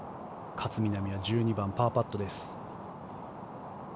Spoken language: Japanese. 勝みなみは１２番、パーパットです。